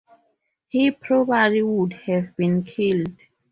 He probably would have been killed.